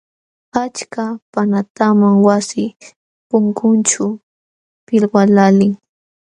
Achka panqatam wasi punkunćhu pilwaqlaalin.